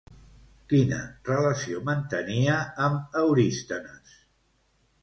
Quina relació mantenia amb Eurístenes?